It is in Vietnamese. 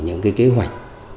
những cái kế hoạch